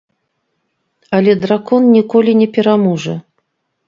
Але дракон ніколі не пераможа.